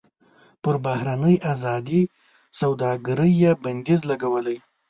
پر بهرنۍ ازادې سوداګرۍ یې بندیزونه لګولي.